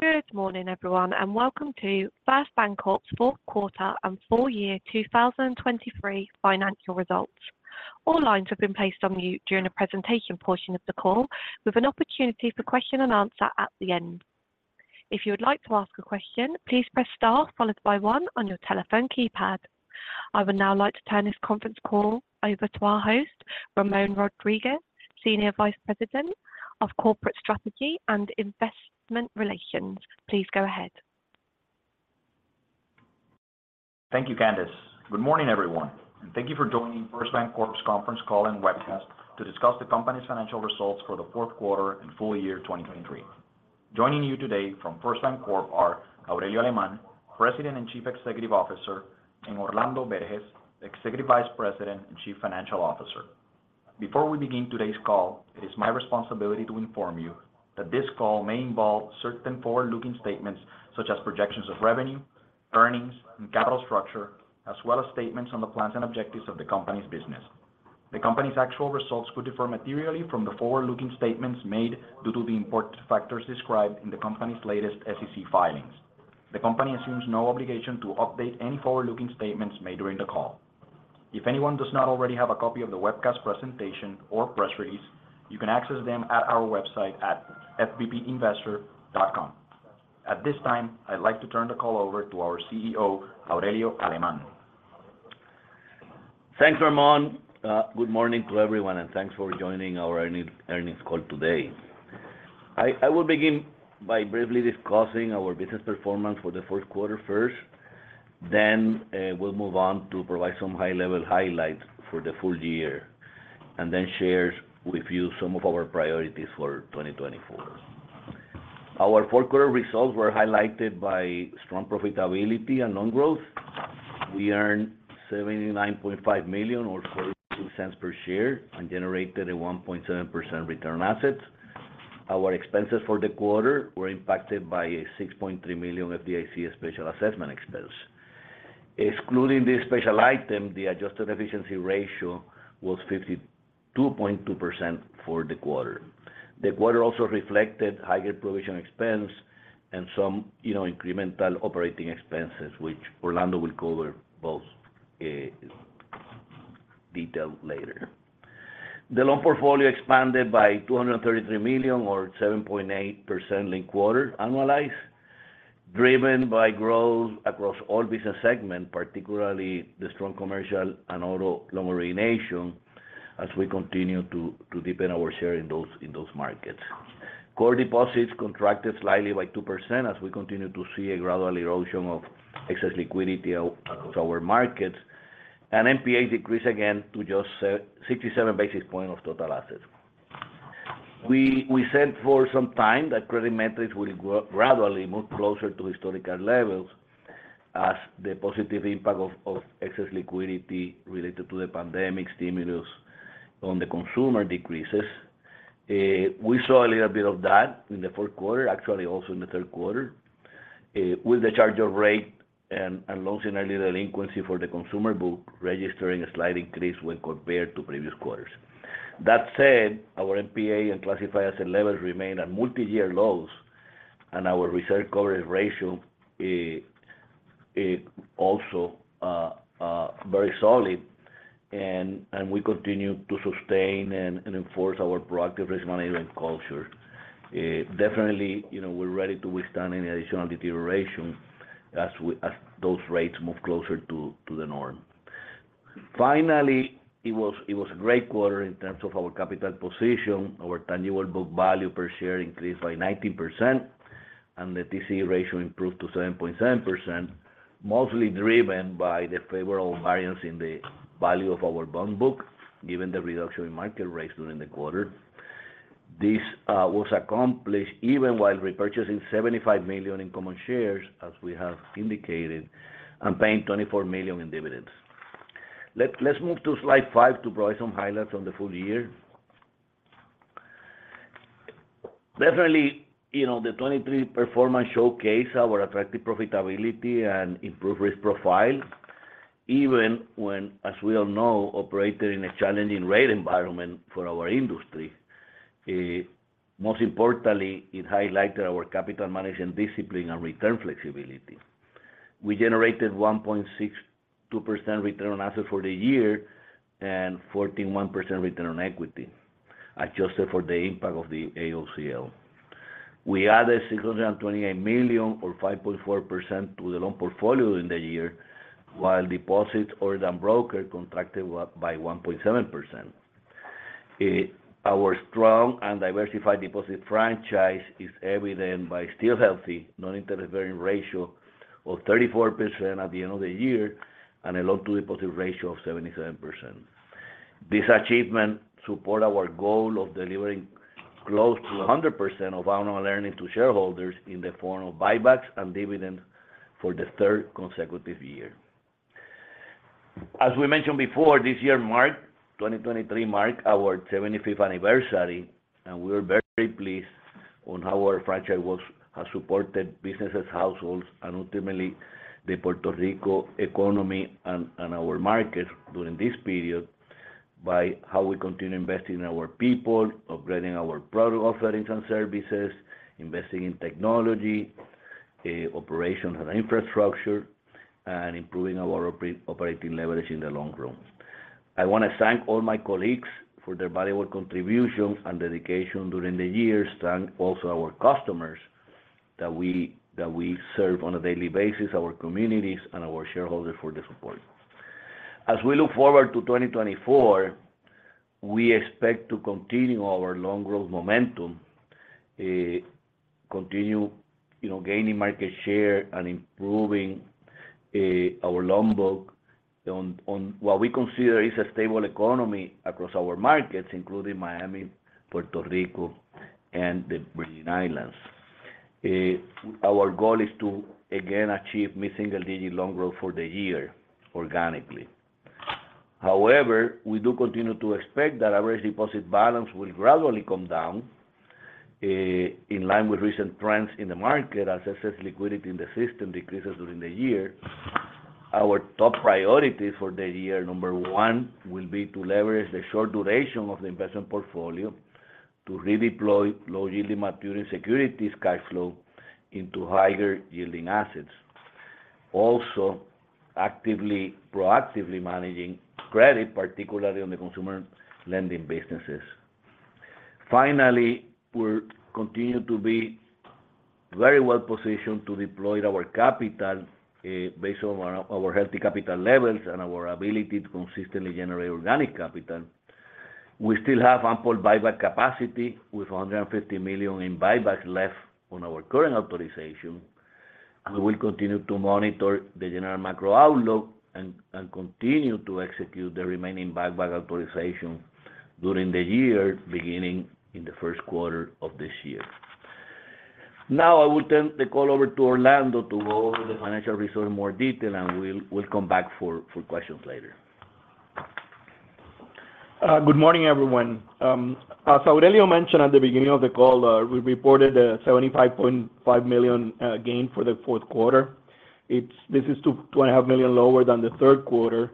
Good morning, everyone, and welcome to First BanCorp's fourth quarter and full-year 2023 financial results. All lines have been placed on mute during the presentation portion of the call, with an opportunity for question and answer at the end. If you would like to ask a question, please press star followed by one on your telephone keypad. I would now like to turn this conference call over to our host, Ramon Rodríguez, Senior Vice President of Corporate Strategy and Investor Relations. Please go ahead. Thank you, Candice. Good morning, everyone, and thank you for joining First BanCorp's conference call and webcast to discuss the company's financial results for the fourth quarter and full-year 2023. Joining you today from First BanCorp are Aurelio Alemán, President and Chief Executive Officer, and Orlando Berges, Executive Vice President and Chief Financial Officer. Before we begin today's call, it is my responsibility to inform you that this call may involve certain forward-looking statements such as projections of revenue, earnings, and capital structure, as well as statements on the plans and objectives of the company's business. The company's actual results could differ materially from the forward-looking statements made due to the important factors described in the company's latest SEC filings. The company assumes no obligation to update any forward-looking statements made during the call. If anyone does not already have a copy of the webcast presentation or press release, you can access them at our website at fbpinvestor.com. At this time, I'd like to turn the call over to our CEO, Aurelio Alemán. Thanks, Ramon. Good morning to everyone, and thanks for joining our earnings call today. I will begin by briefly discussing our business performance for the fourth-quarter first, then we'll move on to provide some high-level highlights for the full-year, and then share with you some of our priorities for 2024. Our fourth quarter results were highlighted by strong profitability and loan growth. We earned $79.5 million or $0.42 per share and generated a 1.7% return on assets. Our expenses for the quarter were impacted by a $6.3 million FDIC special assessment expense. Excluding this special item, the adjusted efficiency ratio was 52.2% for the quarter. The quarter also reflected higher provision expense and some, you know, incremental operating expenses, which Orlando will cover both in detail later. The loan portfolio expanded by $233 million or 7.8% linked quarter annualized, driven by growth across all business segments, particularly the strong commercial and auto loan origination, as we continue to deepen our share in those markets. Core deposits contracted slightly by 2% as we continue to see a gradual erosion of excess liquidity out across our markets, and NPA decreased again to just sixty-seven basis points of total assets. We said for some time that credit metrics will grow gradually, move closer to historical levels as the positive impact of excess liquidity related to the pandemic stimulus on the consumer decreases. We saw a little bit of that in the fourth quarter, actually, also in the third quarter, with the charge-off rate and loans in early delinquency for the consumer book registering a slight increase when compared to previous quarters. That said, our NPA and classified asset levels remain at multi-year lows, and our reserve coverage ratio is also very solid, and we continue to sustain and enforce our proactive risk management culture. Definitely, you know, we're ready to withstand any additional deterioration as those rates move closer to the norm. Finally, it was a great quarter in terms of our capital position. Our tangible book value per share increased by 19%, and the TCE ratio improved to 7.7%, mostly driven by the favorable variance in the value of our bond book, given the reduction in market rates during the quarter. This was accomplished even while repurchasing $75 million in common shares, as we have indicated, and paying $24 million in dividends. Let's move to slide five to provide some highlights on the full-year. Definitely, you know, the 2023 performance showcased our attractive profitability and improved risk profile, even when, as we all know, operated in a challenging rate environment for our industry. Most importantly, it highlighted our capital management discipline and return flexibility. We generated 1.62% return on assets for the year and 41% return on equity, adjusted for the impact of the AOCL. We added $628 million or 5.4% to the loan portfolio in the year, while deposits or the broker contracted by 1.7%. Our strong and diversified deposit franchise is evident by still healthy non-interest bearing ratio of 34% at the end of the year, and a loan-to-deposit ratio of 77%. This achievement supports our goal of delivering close to 100% of annual earnings to shareholders in the form of buybacks and dividends for the third consecutive year. As we mentioned before, this year marked—2023 marked our 75th anniversary, and we are very pleased on how our franchise was, has supported businesses, households, and ultimately the Puerto Rico economy and, and our market during this period. by how we continue investing in our people, upgrading our product offerings and services, investing in technology, operations and infrastructure, and improving our operating leverage in the long run. I want to thank all my colleagues for their valuable contributions and dedication during the years, thank also our customers that we serve on a daily basis, our communities, and our shareholders for the support. As we look forward to 2024, we expect to continue our loan growth momentum, continue, you know, gaining market share and improving our loan book on what we consider is a stable economy across our markets, including Miami, Puerto Rico, and the Virgin Islands. Our goal is to, again, achieve mid-single-digit loan growth for the year organically. However, we do continue to expect that average deposit balance will gradually come down in line with recent trends in the market as excess liquidity in the system decreases during the year. Our top priorities for the year, number one, will be to leverage the short duration of the investment portfolio to redeploy low-yielding maturity securities cash flow into higher-yielding assets. Also, actively, proactively managing credit, particularly on the consumer lending businesses. Finally, we continue to be very well-positioned to deploy our capital based on our healthy capital levels and our ability to consistently generate organic capital. We still have ample buyback capacity, with $150 million in buybacks left on our current authorization, and we will continue to monitor the general macro outlook and continue to execute the remaining buyback authorization during the year, beginning in the first quarter of this year. Now, I will turn the call over to Orlando to go over the financial results in more detail, and we'll come back for questions later. Good morning, everyone. As Aurelio mentioned at the beginning of the call, we reported a $75.5 million gain for the fourth quarter. This is $2.5 million lower than the third quarter.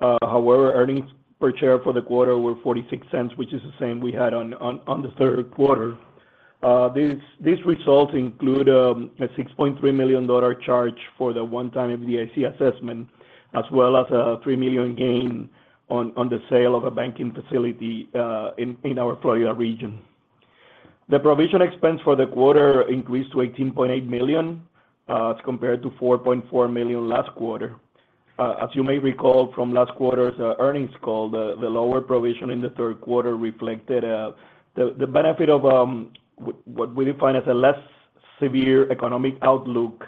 However, earnings per share for the quarter were $0.46, which is the same we had on the third quarter. These results include a $6.3 million charge for the one-time FDIC assessment, as well as a $3 million gain on the sale of a banking facility in our Florida region. The provision expense for the quarter increased to $18.8 million as compared to $4.4 million last quarter. As you may recall from last quarter's earnings call, the lower provision in the third quarter reflected the benefit of what we define as a less severe economic outlook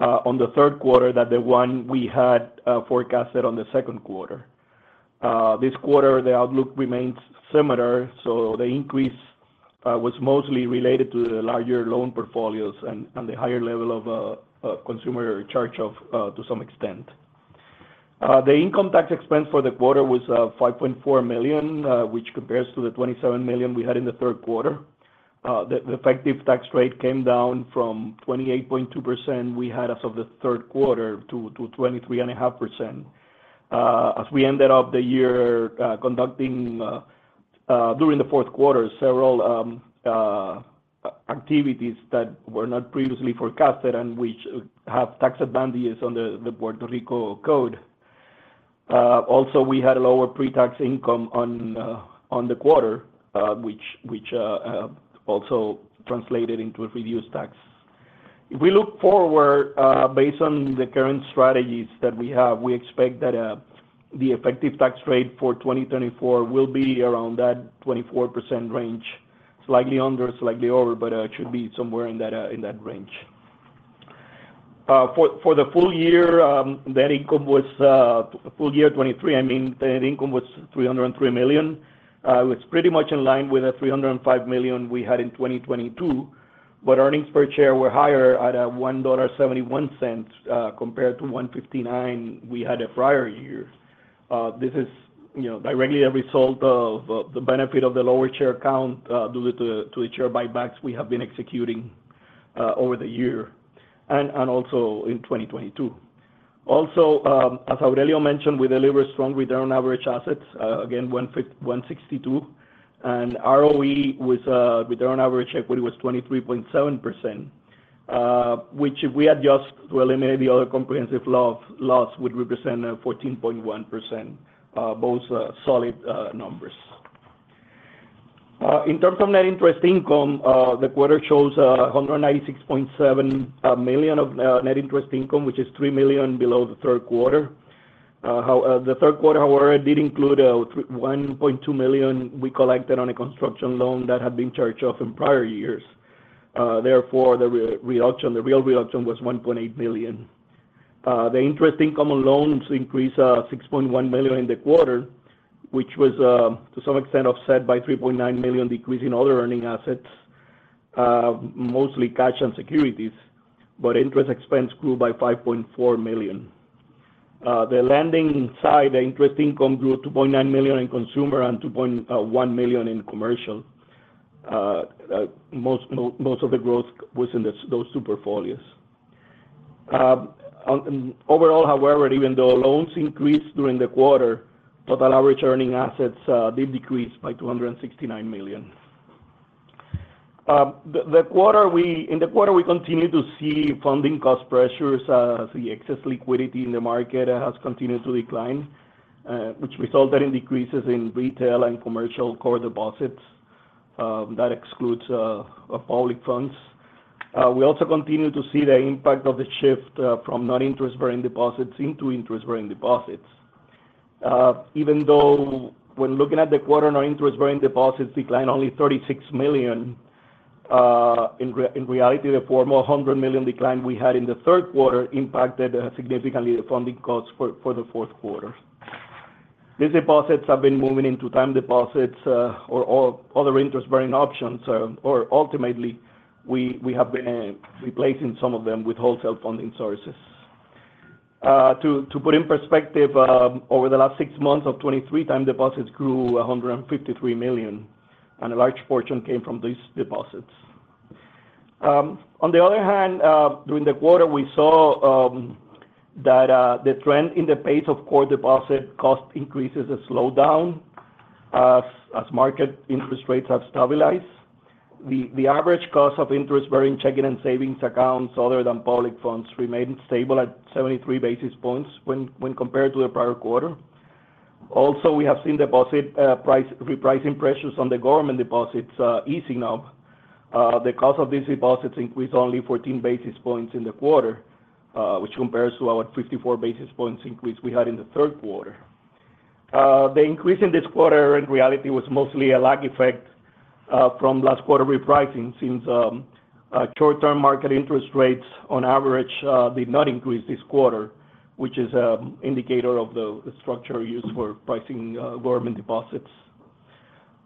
on the third quarter than the one we had forecasted on the second quarter. This quarter, the outlook remains similar, so the increase was mostly related to the larger loan portfolios and the higher level of consumer charge-off to some extent. The income tax expense for the quarter was $5.4 million, which compares to the $27 million we had in the third quarter. The effective tax rate came down from 28.2% we had as of the third quarter to 23.5%. As we ended up the year, conducting during the fourth quarter, several activities that were not previously forecasted and which have tax advantages under the Puerto Rico code. Also, we had a lower pre-tax income on the quarter, which also translated into a reduced tax. If we look forward, based on the current strategies that we have, we expect that the effective tax rate for 2024 will be around that 24% range, slightly under, slightly over, but it should be somewhere in that range. For the full-year, net income was full-year 2023, I mean, net income was $303 million. It's pretty much in line with the $305 million we had in 2022, but earnings per share were higher at $1.71 compared to $1.59 we had the prior year. This is, you know, directly a result of the benefit of the lower share count due to the share buybacks we have been executing over the year and also in 2022. Also, as Aurelio mentioned, we delivered strong return on average assets again, 1.62%, and ROE was return on average equity was 23.7%, which if we adjust to eliminate the other comprehensive loss, would represent a 14.1%, both solid numbers. In terms of net interest income, the quarter shows $196.7 million of net interest income, which is $3 million below the third quarter. The third quarter, however, did include $1.2 million we collected on a construction loan that had been charged off in prior years. Therefore, the reduction, the real reduction was $1.8 million. The interest income alone increased $6.1 million in the quarter, which was, to some extent, offset by $3.9 million decrease in other earning assets, mostly cash and securities, but interest expense grew by $5.4 million. The lending inside the interest income grew to $2.9 million in consumer and $2.1 million in commercial. Most of the growth was in the, those two portfolios. Overall, however, even though loans increased during the quarter, total average earning assets did decrease by $269 million. In the quarter, we continued to see funding cost pressures, as the excess liquidity in the market has continued to decline, which resulted in decreases in retail and commercial core deposits, that excludes public funds. We also continue to see the impact of the shift from non-interest-bearing deposits into interest-bearing deposits. Even though when looking at the quarter, non-interest-bearing deposits declined only $36 million, in reality, the former $100 million decline we had in the third quarter impacted significantly the funding costs for the fourth quarter. These deposits have been moving into time deposits, or other interest-bearing options, or ultimately, we have been replacing some of them with wholesale funding sources. To put in perspective, over the last six months of 2023, time deposits grew $153 million, and a large portion came from these deposits. On the other hand, during the quarter, we saw that the trend in the pace of core deposit cost increases has slowed down as market interest rates have stabilized. The average cost of interest-bearing checking and savings accounts other than public funds remained stable at 73 basis points when compared to the prior quarter. Also, we have seen deposit price-repricing pressures on the government deposits easing up. The cost of these deposits increased only 14 basis points in the quarter, which compares to our 54 basis points increase we had in the third quarter. The increase in this quarter, in reality, was mostly a lag effect from last quarter repricing, since short-term market interest rates on average did not increase this quarter, which is indicator of the structure used for pricing government deposits.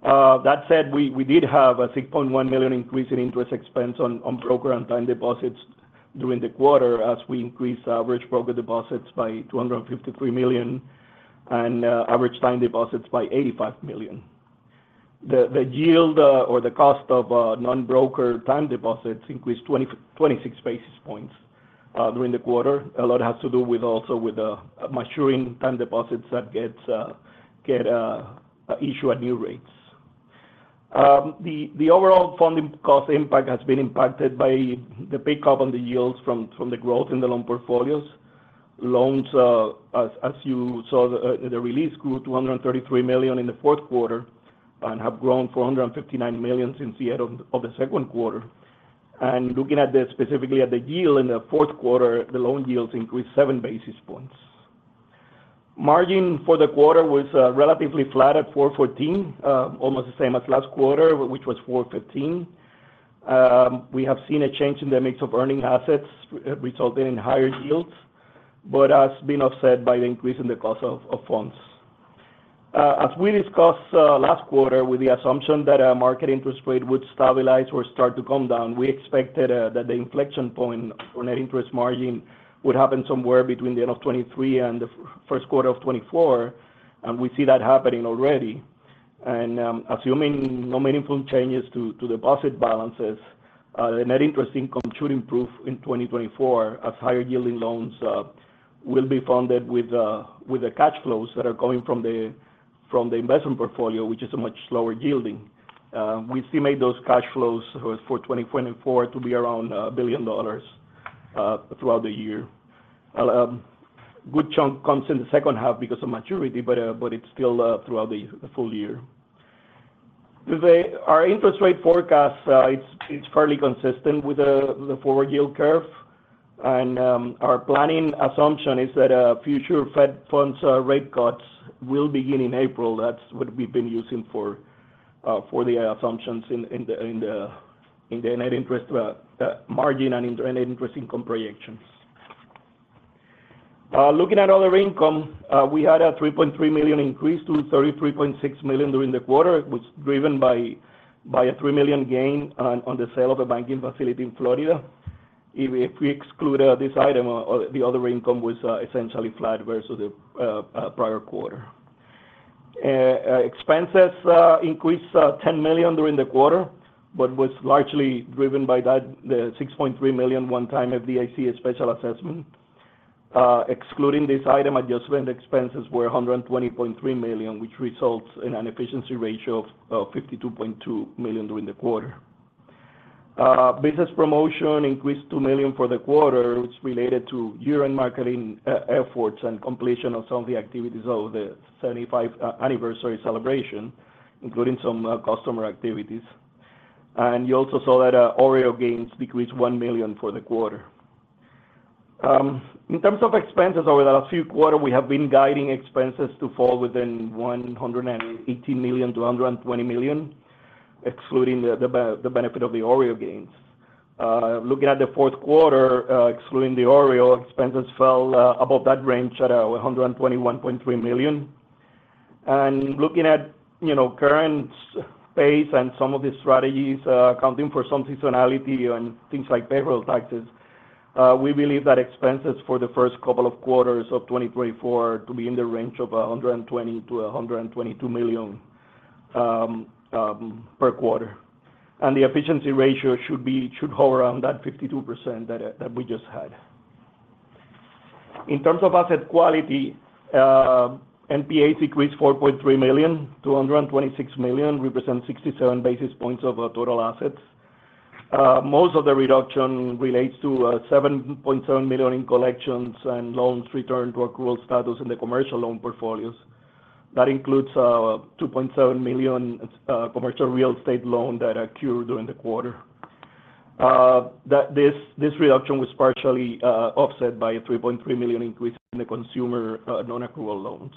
That said, we did have a $3.1 million increase in interest expense on broker and time deposits during the quarter as we increased our average broker deposits by $253 million and average time deposits by $85 million. The yield or the cost of non-broker time deposits increased twenty-six basis points during the quarter. A lot has to do with also with maturing time deposits that get issued at new rates. The overall funding cost impact has been impacted by the pickup on the yields from the growth in the loan portfolios. Loans, as you saw the release, grew to $233 million in the fourth quarter and have grown $459 million since the end of the second quarter. Looking specifically at the yield in the fourth quarter, the loan yields increased 7 basis points. Margin for the quarter was relatively flat at 4.14, almost the same as last quarter, which was 4.15. We have seen a change in the mix of earning assets resulting in higher yields, but that's been offset by the increase in the cost of funds. As we discussed last quarter with the assumption that market interest rate would stabilize or start to come down, we expected that the inflection point for net interest margin would happen somewhere between the end of 2023 and the first quarter of 2024, and we see that happening already. Assuming no meaningful changes to deposit balances, the net interest income should improve in 2024 as higher-yielding loans will be funded with the cash flows that are coming from the investment portfolio, which is a much lower yielding. We estimate those cash flows for 2024 to be around $1 billion throughout the year. A good chunk comes in the second half because of maturity, but it's still throughout the full-year. Today, our interest rate forecast is fairly consistent with the forward yield curve, and our planning assumption is that future fed funds rate cuts will begin in April. That's what we've been using for the assumptions in the net interest margin and in the net interest income projections. Looking at other income, we had a $3.3 million increase to $33.6 million during the quarter. It was driven by a $3 million gain on the sale of a banking facility in Florida. If we exclude this item, the other income was essentially flat versus the prior quarter. Expenses increased $10 million during the quarter, but was largely driven by that, the $6.3 million one-time FDIC Special Assessment. Excluding this item, adjustment expenses were $120.3 million, which results in an efficiency ratio of 52.2% during the quarter. Business promotion increased $2 million for the quarter, which related to year-end marketing efforts and completion of some of the activities of the 75th anniversary celebration, including some customer activities. And you also saw that, OREO gains decreased $1 million for the quarter. In terms of expenses over the last few quarter, we have been guiding expenses to fall within $118 million-$120 million, excluding the benefit of the OREO gains. Looking at the fourth quarter, excluding the OREO, expenses fell above that range at $121.3 million. Looking at, you know, current pace and some of the strategies, accounting for some seasonality and things like payroll taxes, we believe that expenses for the first couple of quarters of 2024 to be in the range of $120 million-$122 million per quarter. The efficiency ratio should hover around that 52% that we just had. In terms of asset quality, NPA decreased $4.3 million, $226 million, represent 67 basis points of our total assets. Most of the reduction relates to $7.7 million in collections and loans returned to accrual status in the commercial loan portfolios. That includes $2.7 million commercial real estate loan that accrued during the quarter. That this reduction was partially offset by a $3.3 million increase in the consumer nonaccrual loans.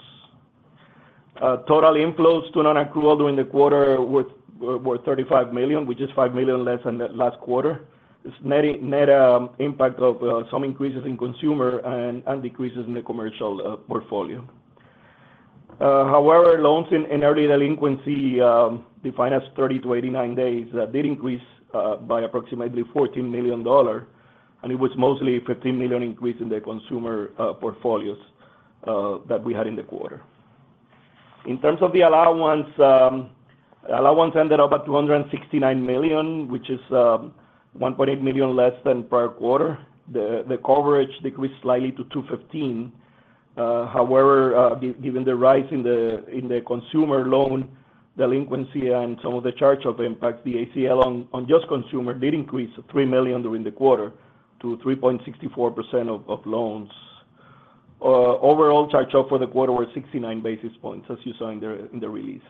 Total inflows to nonaccrual during the quarter were $35 million, which is $5 million less than the last quarter. It's net impact of some increases in consumer and decreases in the commercial portfolio. However, loans in early delinquency, defined as 30-89 days, did increase by approximately $14 million, and it was mostly a $15 million increase in the consumer portfolios that we had in the quarter. In terms of the allowance, allowance ended up at $269 million, which is $1.8 million less than prior quarter. The coverage decreased slightly to 2.15. However, given the rise in the consumer loan delinquency and some of the charge-off impact, the ACL on just consumer did increase $3 million during the quarter to 3.64% of loans. Overall charge-off for the quarter were 69 basis points, as you saw in the release.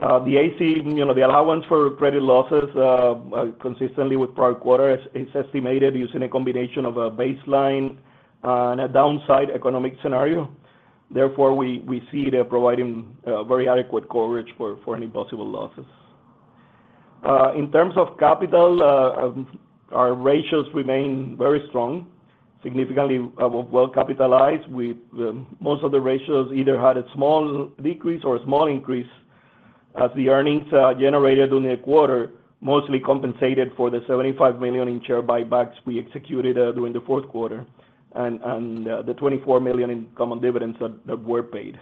The ACL, you know, the allowance for credit losses, consistently with prior quarter is estimated using a combination of a baseline and a downside economic scenario. Therefore, we see they're providing very adequate coverage for any possible losses. In terms of capital, our ratios remain very strong, significantly well-capitalized. Most of the ratios either had a small decrease or a small increase, as the earnings generated during the quarter mostly compensated for the $75 million in share buybacks we executed during the fourth quarter and the $24 million in common dividends that were paid.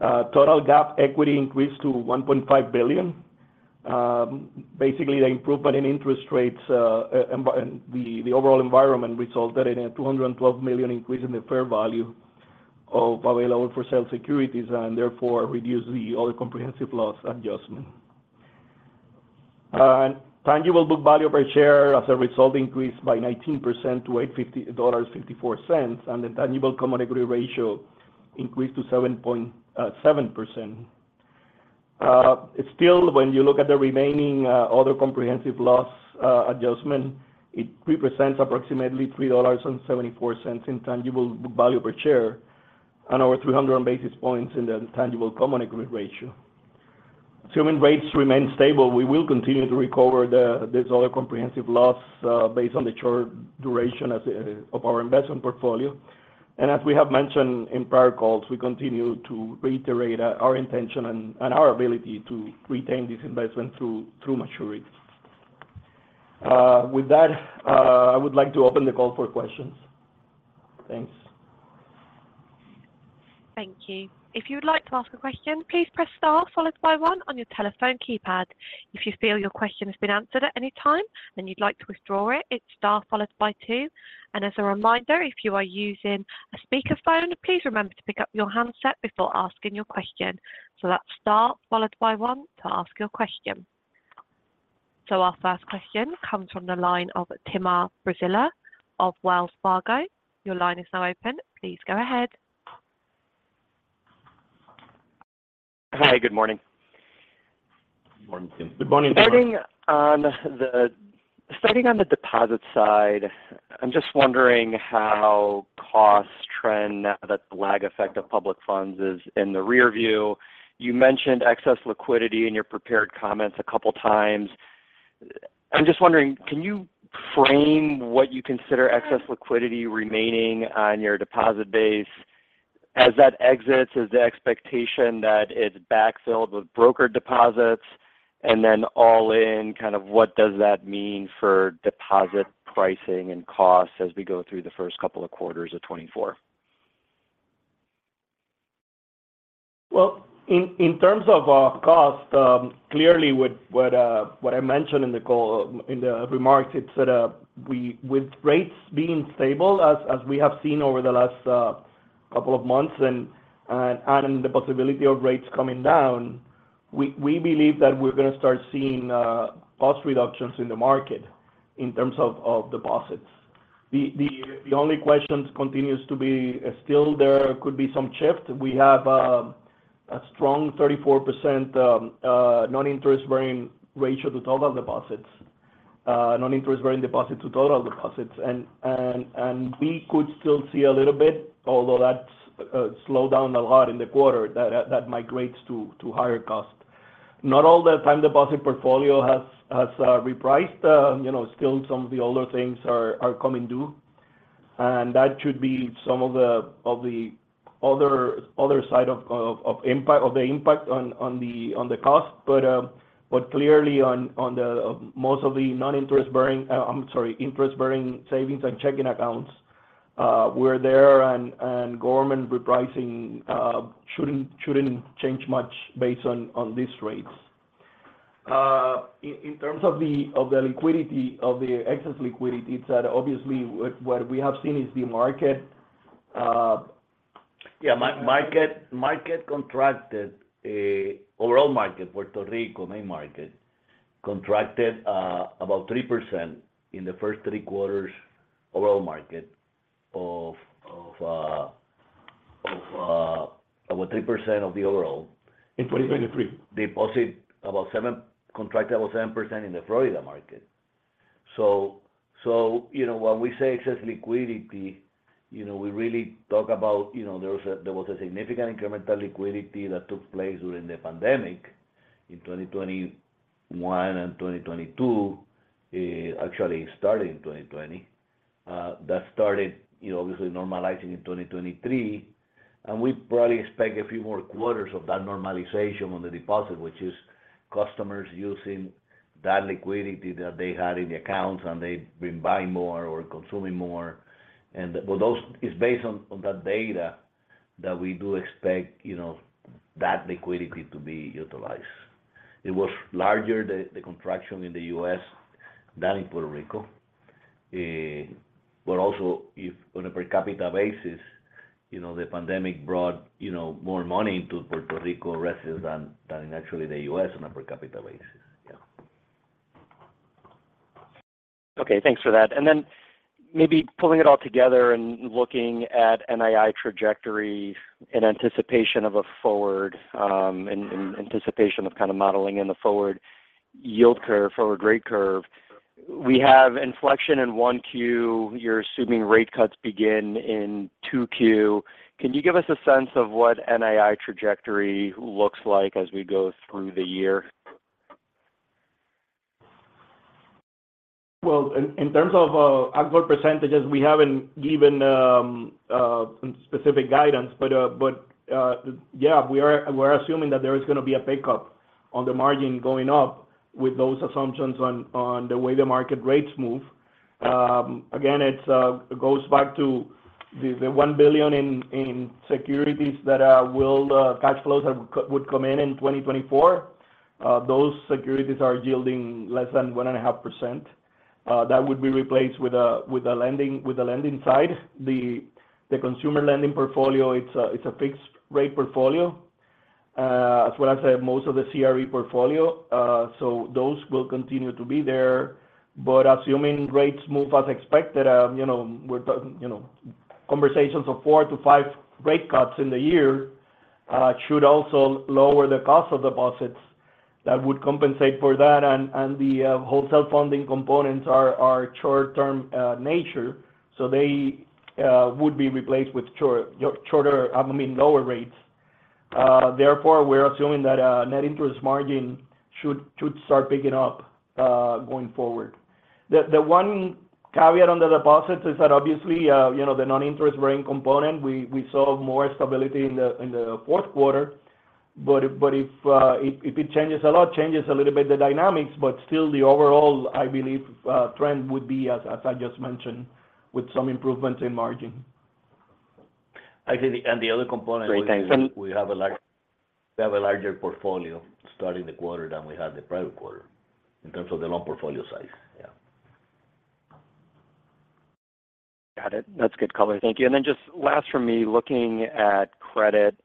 Total GAAP equity increased to $1.5 billion. Basically, the improvement in interest rates and the overall environment resulted in a $212 million increase in the fair value of available-for-sale securities, and therefore reduced the other comprehensive loss adjustment. And tangible book value per share, as a result, increased by 19% to $8.54, and the tangible common equity ratio increased to 7.7%. Still, when you look at the remaining other comprehensive loss adjustment, it represents approximately $3.74 in tangible value per share and over 300 basis points in the tangible common equity ratio. Assuming rates remain stable, we will continue to recover this other comprehensive loss based on the short duration of our investment portfolio. And as we have mentioned in prior calls, we continue to reiterate our intention and our ability to retain this investment through maturity. With that, I would like to open the call for questions. Thanks. Thank you. If you would like to ask a question, please press star followed by one on your telephone keypad. If you feel your question has been answered at any time and you'd like to withdraw it, it's star followed by two. And as a reminder, if you are using a speakerphone, please remember to pick up your handset before asking your question. So that's star followed by one to ask your question. So our first question comes from the line of Timur Braziler of Wells Fargo. Your line is now open. Please go ahead. Hi, good morning. Good morning, Tim. Good morning. Starting on the deposit side, I'm just wondering how costs trend now that the lag effect of public funds is in the rearview. You mentioned excess liquidity in your prepared comments a couple times. I'm just wondering, can you frame what you consider excess liquidity remaining on your deposit base? As that exits, is the expectation that it's backfilled with broker deposits, and then all in, kind of, what does that mean for deposit pricing and costs as we go through the first couple of quarters of 2024? Well, in terms of cost, clearly, what I mentioned in the call, in the remarks, it's that we with rates being stable as we have seen over the last couple of months and the possibility of rates coming down, we believe that we're going to start seeing cost reductions in the market in terms of deposits. The only questions continues to be still there could be some shift. We have a strong 34% non-interest-bearing ratio to total deposits, non-interest-bearing deposit to total deposits. And we could still see a little bit, although that's slowed down a lot in the quarter, that migrates to higher cost. Not all the time deposit portfolio has repriced, you know, still some of the older things are coming due, and that should be some of the other side of the impact on the cost. But clearly on most of the non-interest-bearing—I'm sorry, interest-bearing savings and checking accounts—we're there and government repricing shouldn't change much based on these rates. In terms of the excess liquidity, it's that obviously, what we have seen is the market— Yeah, market contracted, overall market, Puerto Rico main market contracted about 3% in the first three quarters overall market of about 3% of the overall. In 2023. Deposits contracted about 7% in the Florida market. So, you know, when we say excess liquidity, you know, we really talk about, you know, there was a significant incremental liquidity that took place during the pandemic in 2021 and 2022. Actually it started in 2020. That started, you know, obviously normalizing in 2023, and we probably expect a few more quarters of that normalization on the deposit, which is customers using that liquidity that they had in the accounts, and they've been buying more or consuming more. And, well, it's based on that data that we do expect, you know, that liquidity to be utilized. It was larger, the contraction in the U.S. than in Puerto Rico. But also, if on a per capita basis, you know, the pandemic brought, you know, more money into Puerto Rico residents than actually the U.S. on a per capita basis. Yeah. Okay, thanks for that. And then maybe pulling it all together and looking at NII trajectory in anticipation of a forward, Mm-hmm.... in anticipation of kind of modeling in the forward yield curve, forward rate curve. We have inflection in 1Q, you're assuming rate cuts begin in 2Q. Can you give us a sense of what NII trajectory looks like as we go through the year? Well, in terms of outward percentages, we haven't given specific guidance, but yeah, we're assuming that there is gonna be a pickup on the margin going up with those assumptions on the way the market rates move. Again, it goes back to the $1 billion in securities that will cash flows that would come in in 2024. Those securities are yielding less than 1.5%. That would be replaced with the lending side. The consumer lending portfolio, it's a fixed-rate portfolio, as well as most of the CRE portfolio. So those will continue to be there. But assuming rates move as expected, you know, we're talking, you know, conversations of 4-5 rate cuts in the year, should also lower the cost of deposits that would compensate for that. And the wholesale funding components are short-term nature, so they would be replaced with shorter, I mean, lower rates. Therefore, we're assuming that net interest margin should start picking up going forward. The one caveat on the deposits is that obviously, you know, the non-interest bearing component, we saw more stability in the fourth quarter. But if it changes a little bit the dynamics, but still the overall, I believe, trend would be as I just mentioned, with some improvements in margin. Actually, and the other component- Great. Thanks- We have a larger portfolio starting the quarter than we had the prior quarter, in terms of the loan portfolio size. Yeah. Got it. That's good color. Thank you. And then just last from me, looking at credit,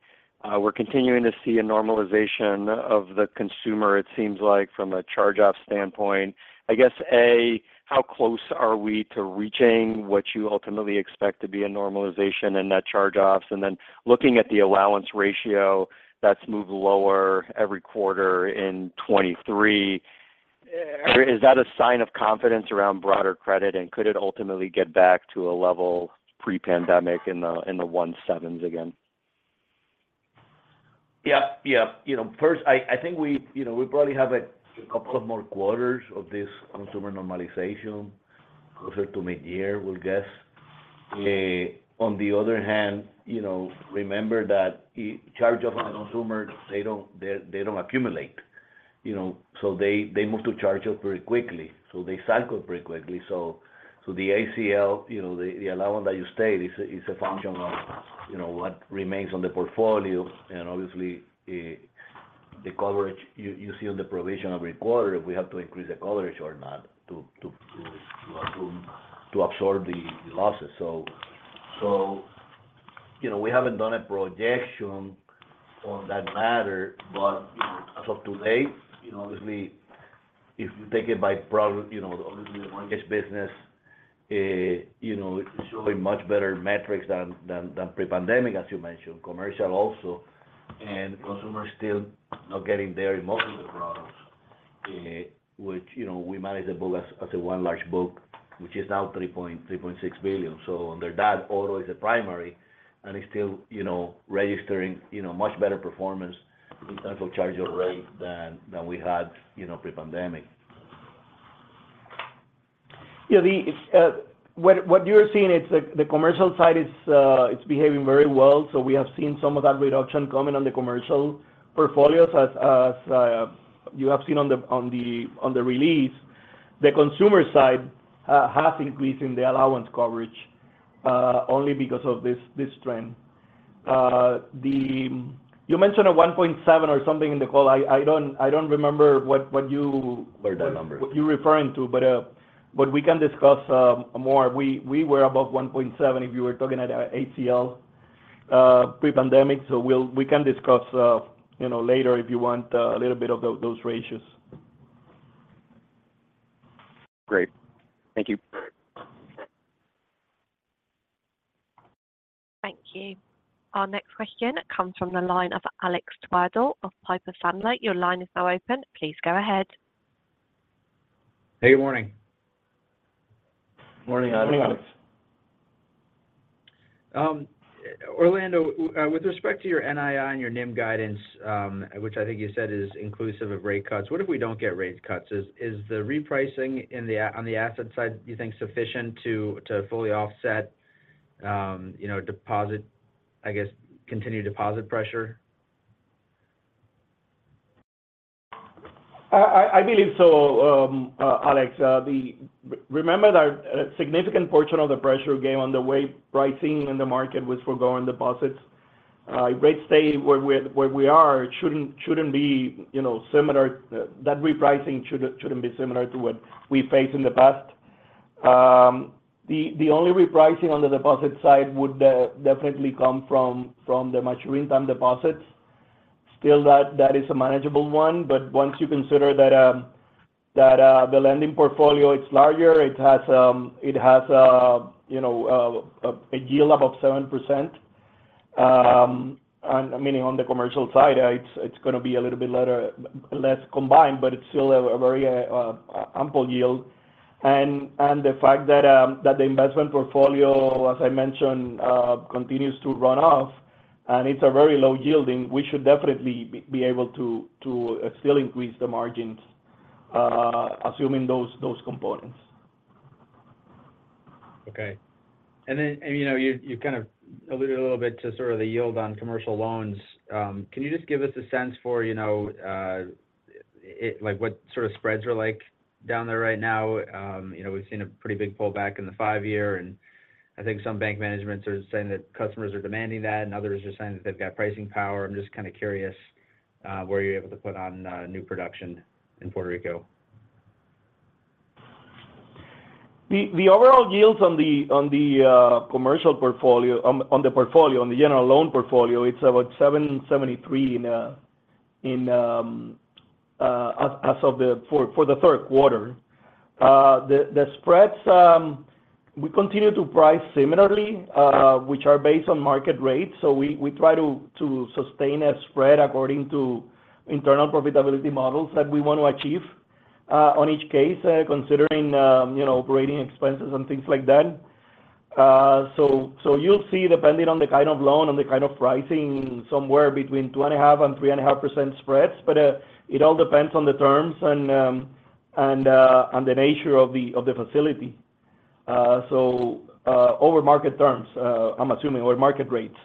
we're continuing to see a normalization of the consumer, it seems like, from a charge-off standpoint. I guess, A, how close are we to reaching what you ultimately expect to be a normalization in net charge-offs? And then looking at the allowance ratio, that's moved lower every quarter in 2023. Is that a sign of confidence around broader credit, and could it ultimately get back to a level pre-pandemic in the 1.7s again? Yeah, yeah. You know, first, I think we, you know, we probably have a couple of more quarters of this consumer normalization, closer to mid-year, we'll guess. On the other hand, you know, remember that charge-off on consumers, they don't accumulate. You know, so they move to charge-off very quickly, so they cycle pretty quickly. So the ACL, you know, the allowance that you state is a function of, you know, what remains on the portfolio. And obviously, the coverage you see on the provision every quarter, if we have to increase the coverage or not, to absorb the losses. So, you know, we haven't done a projection on that matter, but, you know, as of today, you know, obviously, if you take it by product, you know, obviously, the mortgage business, you know, it's showing much better metrics than pre-pandemic, as you mentioned, commercial also. And consumer still not getting there in most of the products, which, you know, we manage the book as a one large book, which is now $3.6 billion. So under that, auto is the primary, and it's still, you know, registering, you know, much better performance in terms of charge-off rate than we had, you know, pre-pandemic. Yeah, it's what you're seeing is the commercial side is behaving very well. So we have seen some of that reduction coming on the commercial portfolios as you have seen on the release, the consumer side has increased in the allowance coverage only because of this trend. You mentioned a 1.7 or something in the call. I don't remember what you- Heard that number. -what you're referring to, but we can discuss more. We were above 1.7, if you were talking about ACL, pre-pandemic. So we can discuss, you know, later if you want, a little bit of those ratios. Great. Thank you. Thank you. Our next question comes from the line of Alex Twerdahl of Piper Sandler. Your line is now open. Please go ahead. Hey, good morning. Morning, Alex. Morning, Alex. Orlando, with respect to your NII and your NIM guidance, which I think you said is inclusive of rate cuts, what if we don't get rate cuts? Is the repricing on the asset side, do you think, sufficient to fully offset, you know, deposit, I guess, continued deposit pressure? I believe so, Alex. Remember that a significant portion of the pressure we saw on the rate pricing in the market was for growing deposits. If rates stay where we are, it shouldn't be, you know, similar—that repricing shouldn't be similar to what we faced in the past. The only repricing on the deposit side would definitely come from the maturing time deposits. Still, that is a manageable one, but once you consider that, the lending portfolio, it's larger, it has a yield above 7%. And I mean, on the commercial side, it's gonna be a little bit less combined, but it's still a very ample yield. And the fact that that the investment portfolio, as I mentioned, continues to run off, and it's a very low yielding, we should definitely be able to still increase the margins, assuming those components. Okay. And then, you know, you kind of alluded a little bit to sort of the yield on commercial loans. Can you just give us a sense for, you know, it, like, what sort of spreads are like down there right now? You know, we've seen a pretty big pullback in the five year, and I think some bank managements are saying that customers are demanding that, and others are saying that they've got pricing power. I'm just kind of curious, where you're able to put on new production in Puerto Rico. The overall yields on the commercial portfolio, on the portfolio, on the general loan portfolio, it's about 7.73% as of the... for the third quarter. The spreads, we continue to price similarly, which are based on market rates. So we try to sustain a spread according to internal profitability models that we want to achieve, on each case, considering, you know, operating expenses and things like that. So you'll see, depending on the kind of loan and the kind of pricing, somewhere between 2.5% and 3.5% spreads, but it all depends on the terms and, and the nature of the facility. So over market terms, I'm assuming, or market rates.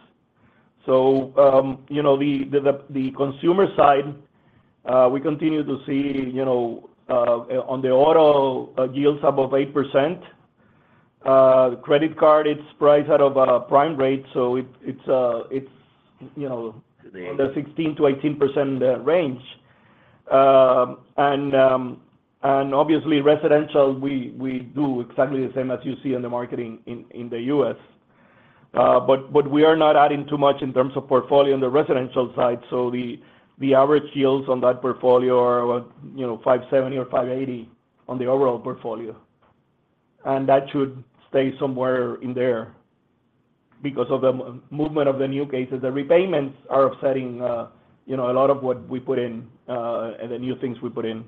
So, you know, the consumer side, we continue to see, you know, on the auto, yields above 8%. Credit card, it's priced out of prime rate, so it's, you know- The- in the 16%-18% range. And obviously, residential, we do exactly the same as you see in the marketing in the U.S. But we are not adding too much in terms of portfolio on the residential side, so the average yields on that portfolio are about, you know, 5.70 or 5.80 on the overall portfolio. And that should stay somewhere in there because of the movement of the new cases. The repayments are upsetting, you know, a lot of what we put in and the new things we put in.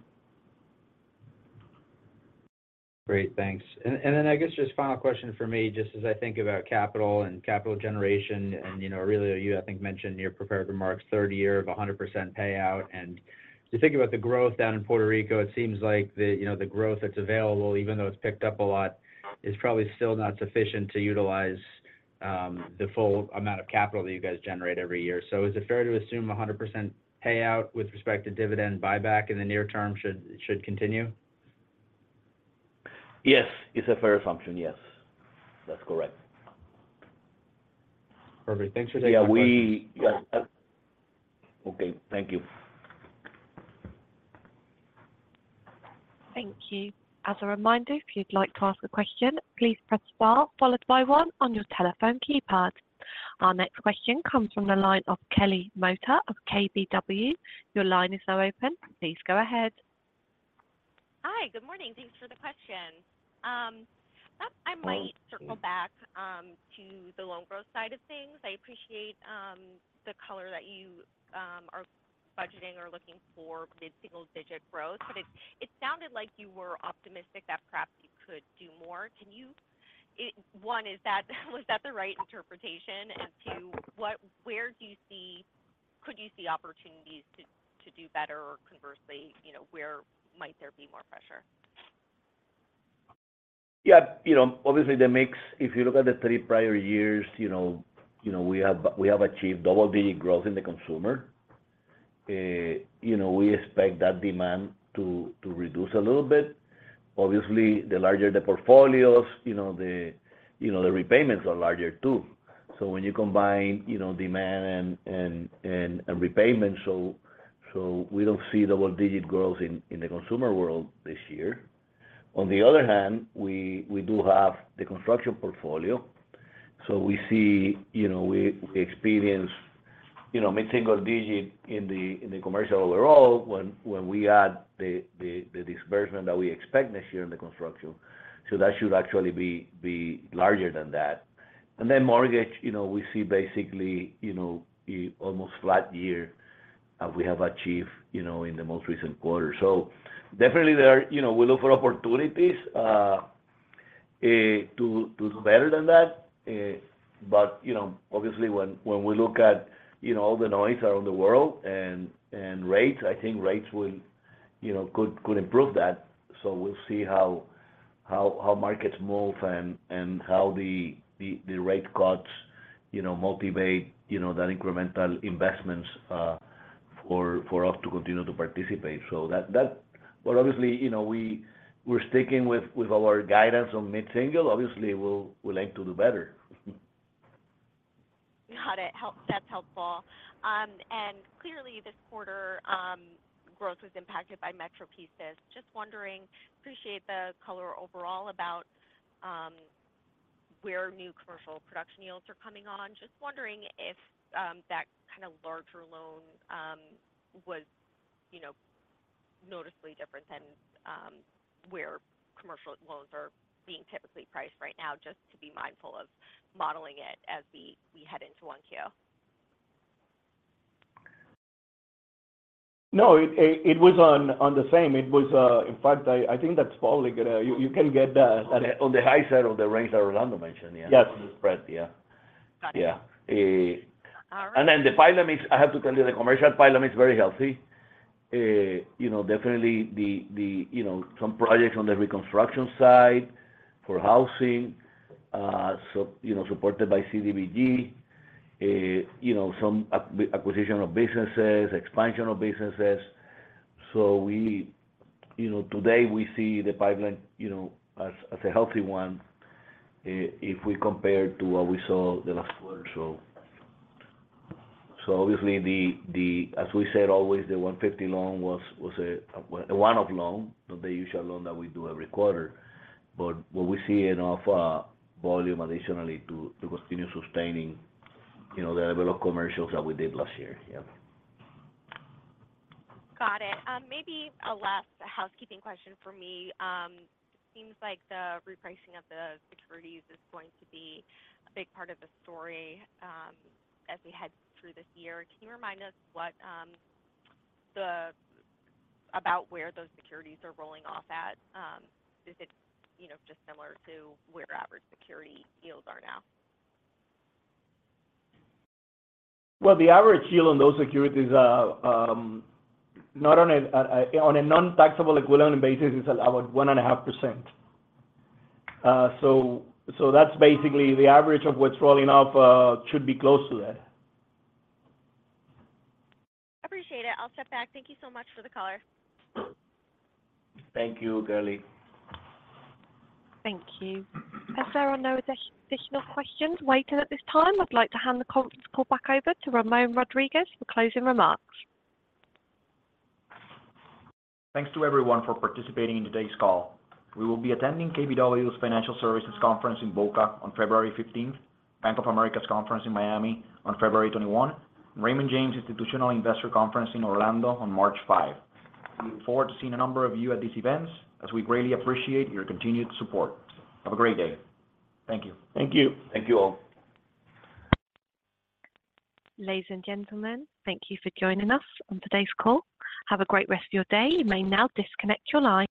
Great, thanks. Then I guess just final question for me, just as I think about capital and capital generation, and, you know, Aurelio, you, I think, mentioned in your prepared remarks, third year of a 100% payout. And you think about the growth down in Puerto Rico, it seems like the, you know, the growth that's available, even though it's picked up a lot, is probably still not sufficient to utilize the full amount of capital that you guys generate every year. So is it fair to assume a 100% payout with respect to dividend buyback in the near term should continue? Yes, it's a fair assumption. Yes, that's correct. Perfect. Thanks for taking my question. Yeah. Yes. Okay, thank you. Thank you. As a reminder, if you'd like to ask a question, please press star followed by one on your telephone keypad. Our next question comes from the line of Kelly Motta of KBW. Your line is now open. Please go ahead. Hi, good morning. Thanks for the question. I might- Oh. Circle back to the loan growth side of things. I appreciate the color that you are budgeting or looking for mid-single-digit growth, but it sounded like you were optimistic that perhaps you could do more. One, is that the right interpretation? And two, where do you see—could you see opportunities to do better, or conversely, you know, where might there be more pressure? ... Yeah, you know, obviously, the mix, if you look at the three prior years, you know, we have achieved double-digit growth in the consumer. You know, we expect that demand to reduce a little bit. Obviously, the larger the portfolios, you know, the repayments are larger too. So when you combine, you know, demand and repayments, so we don't see double-digit growth in the consumer world this year. On the other hand, we do have the construction portfolio, so we see, you know, we experience, you know, mid-single digit in the commercial overall, when we add the disbursement that we expect next year in the construction. So that should actually be larger than that. And then mortgage, you know, we see basically, you know, an almost flat year as we have achieved, you know, in the most recent quarter. So definitely there are, you know, we look for opportunities to do better than that, but, you know, obviously, when we look at, you know, all the noise around the world and rates, I think rates will, you know, could improve that. So we'll see how markets move and how the rate cuts, you know, motivate, you know, that incremental investments for us to continue to participate. So that. But obviously, you know, we're sticking with our guidance on mid-single. Obviously, we'd like to do better. Got it. Helpful—that's helpful. And clearly, this quarter, growth was impacted by Metro pieces. Just wondering, appreciate the color overall about where new commercial production yields are coming on. Just wondering if that kind of larger loan was, you know, noticeably different than where commercial loans are being typically priced right now, just to be mindful of modeling it as we head into 1Q. No, it was on the same. It was, in fact, I think that's probably gonna—you can get to the high side of the range that Orlando mentioned. Yes. Right, yeah. Got it. Yeah. Uh- All right. And then the pipeline is. I have to tell you, the commercial pipeline is very healthy. You know, definitely you know, some projects on the reconstruction side for housing, so, you know, supported by CDBG, you know, some acquisition of businesses, expansion of businesses. So we, you know, today we see the pipeline, you know, as a healthy one, if we compare to what we saw the last quarter or so. So obviously, as we said, always the $150 million loan was a one-off loan, not the usual loan that we do every quarter. But what we're seeing of volume additionally to continue sustaining, you know, the level of commercials that we did last year. Yeah. Got it. Maybe a last housekeeping question for me. Seems like the repricing of the securities is going to be a big part of the story, as we head through this year. Can you remind us what about where those securities are rolling off at? Is it, you know, just similar to where average security yields are now? Well, the average yield on those securities are not on a non-taxable equivalent basis, it's about 1.5%. So that's basically the average of what's rolling off, should be close to that. Appreciate it. I'll step back. Thank you so much for the color. Thank you, Kelly. Thank you. As there are no additional questions waiting at this time, I'd like to hand the conference call back over to Ramon Rodríguez for closing remarks. Thanks to everyone for participating in today's call. We will be attending KBW's Financial Services Conference in Boca on February 15th, Bank of America's conference in Miami on February 21, Raymond James Institutional Investor Conference in Orlando on March 5. We look forward to seeing a number of you at these events, as we greatly appreciate your continued support. Have a great day. Thank you. Thank you. Thank you, all. Ladies and gentlemen, thank you for joining us on today's call. Have a great rest of your day. You may now disconnect your line.